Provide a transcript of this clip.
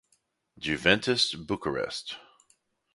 Juventus Bucharest